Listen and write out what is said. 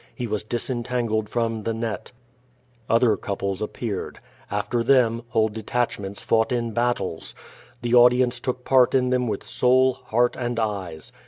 He was disentangled from the net. Otlier couples appeared. After them, whole detachments fouglit in battles. The audience took part in them with soul, heart, and eyes.